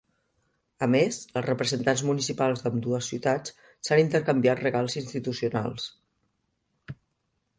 A més, els representants municipals d’ambdues ciutats s’han intercanviat regals institucionals.